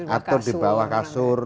atau di bawah kasur